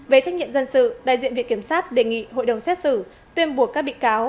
về trách nhiệm dân sự đại diện viện kiểm sát đề nghị hội đồng xét xử tuyên buộc các bị cáo